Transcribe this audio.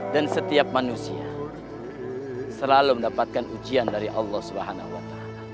dan setiap manusia selalu mendapatkan ujian dari allah swt